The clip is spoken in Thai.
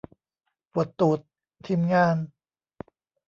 ปวดตูด ทีมงาน